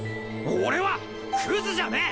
俺はクズじゃねえ！